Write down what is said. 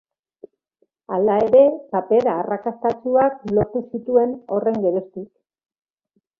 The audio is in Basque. Hala ere, paper arrakastatsuak lortu zituen horren geroztik.